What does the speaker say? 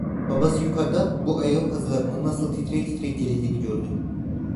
Babası yukarıdan bu ayağın pazılarının nasıl titreye titreye gerildiğini gördü.